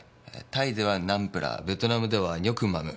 タイではナンプラーベトナムではニョクマム。